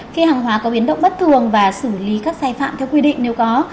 khi hàng hóa có biến động bất thường và xử lý các sai phạm theo quy định nếu có